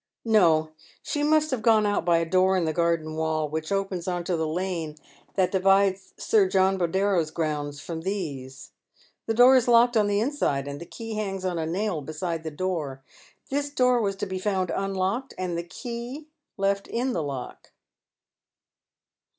"No ; she must have gone out by a door in the garden wall 292 Dead Urn's Shoes. which opens into the lane that divides Sir John Boldero's grounda from these. The door is locked on the inside, and the key hangs on a nail beside the door. This door was found to be unlocked and the key left in the lock."